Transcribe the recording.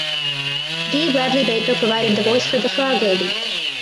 Dee Bradley Baker provided the voice for the Frog Lady.